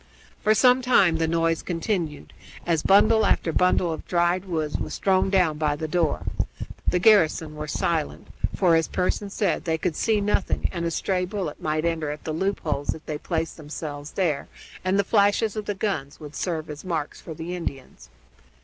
For some time the noise continued, as bundle after bundle of dried wood was thrown down by the door. The garrison were silent; for, as Pearson said, they could see nothing, and a stray bullet might enter at the loop holes if they placed themselves there, and the flashes of the guns would serve as marks for the Indians.